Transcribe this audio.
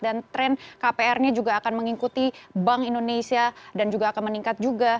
dan trend kpr ini juga akan mengikuti bank indonesia dan juga akan meningkat juga